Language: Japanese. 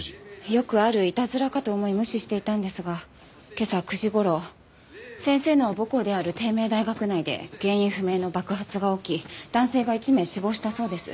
よくあるいたずらかと思い無視していたんですが今朝９時頃先生の母校である帝名大学内で原因不明の爆発が起き男性が１名死亡したそうです。